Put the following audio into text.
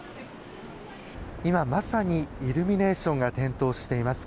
今、まさにイルミネーションが点灯しています